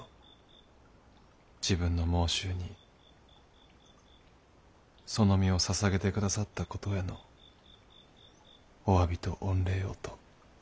自分の妄執にその身をささげて下さったことへのお詫びと御礼をと。